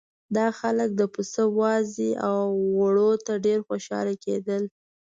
دا خلک د پسه وازدې او غوړو ته ډېر خوشاله کېدل.